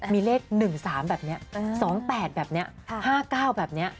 มีเลข๑๓แบบนี้๒๘แบบนี้๕๙แบบนี้